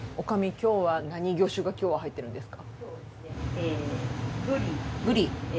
今日は何魚種が今日は入ってるんですか？